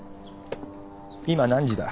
今何時だ？